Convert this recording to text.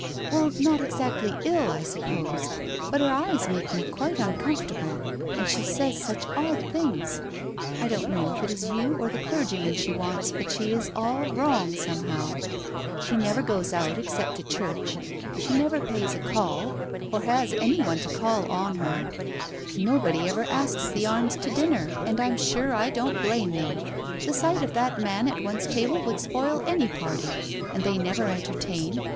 "Well, not exactly ill, I suppose, but her eyes make me quite uncomfortable, and she says such odd things ! I don't know if it is you or the clergyman she wants, but she is all wrong somehow ! She never goes out except to church ; she never pays a call, or has any one to call Digitized by Google THE PRAYER 107 on her I Nobody ever asks th$ Ames to dinner, and I'm sure I don't blame them — the sight of that man at one's table would spoil any party — and they never entertain.